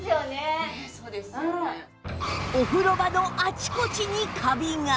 お風呂場のあちこちにカビが